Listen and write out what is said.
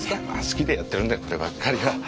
好きでやってるんでこればっかりは。